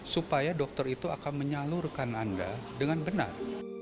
supaya dokter itu akan menyalurkan anda dengan benar